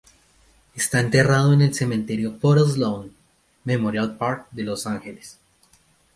Está enterrado en el Cementerio Forest Lawn Memorial Park de Los Ángeles.